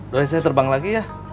terus saya terbang lagi ya